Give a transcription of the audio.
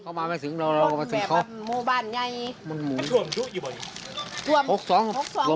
นั่งคนแก่ด้วย